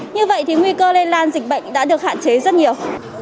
như vậy thì nguy cơ lây lan dịch bệnh đã được hạn chế rất nhiều